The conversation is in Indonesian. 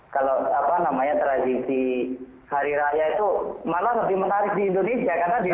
kalau apa namanya tradisi hari raya itu malah lebih menarik di indonesia